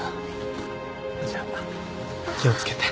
じゃあ気を付けて。